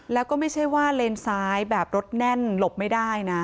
แล้วก็ไม่ใช่ว่าเลนซ้ายแบบรถแน่นหลบไม่ได้นะ